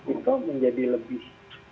itu menjadi lebih